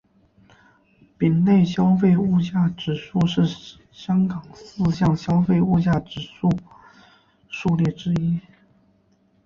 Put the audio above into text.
丙类消费物价指数是香港四项消费物价指数数列之一。